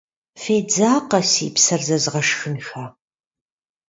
Федзакъэ, си псэр зэзгъэшхынхэ.